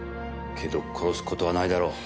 けど殺す事はないだろう。